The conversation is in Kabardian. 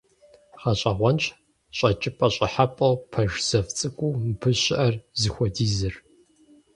ГъэщӀэгъуэнщ щӀэкӀыпӀэ-щӀыхьэпӀэу, пэш зэв цӀыкӀуу мыбы щыӀэр зыхуэдизыр.